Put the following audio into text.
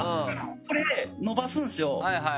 これで伸ばすんですよ。